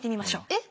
えっ。